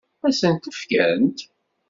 Ad sent-t-fkent?